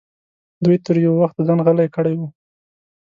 دوی تر یو وخته ځان غلی کړی و.